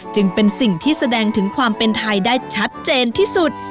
จึงเป็นสิ่งที่แสดงถึงความเป็นไทยได้ชัดเจนที่สุด